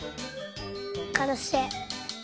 かなしい。